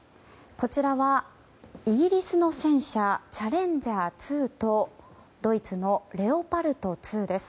こちらはイギリスの戦車チャレンジャー２とドイツのレオパルト２です。